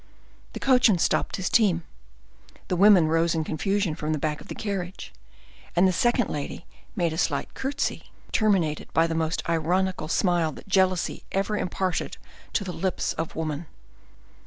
The coachman stopped his team; the women rose in confusion from the back of the carriage, and the second lady made a slight curtsey, terminated by the most ironical smile that jealousy ever imparted to the lips of woman.